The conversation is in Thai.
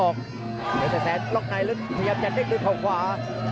เพชรแสนล็อกในแล้วพยายามจะเด้งด้วยเขาขวา